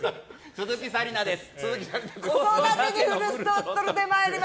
鈴木紗理奈です！